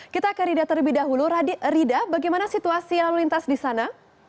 kita ke rida terlebih dahulu rida bagaimana situasi lalu lintas di sana